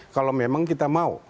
kalau memang kita mau